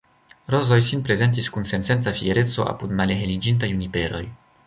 Rozoj sinprezentis kun sensenca fiereco apud malheliĝintaj juniperoj.